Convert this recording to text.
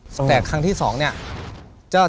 ถูกต้องไหมครับถูกต้องไหมครับ